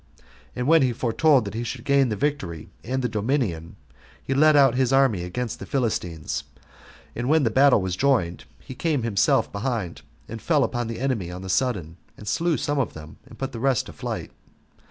And when he foretold that he should gain the victory and the dominion, he led out his army against the Philistines; and when the battle was joined, he came himself behind, and fell upon the enemy on the sudden, and slew some of them, and put the rest to flight.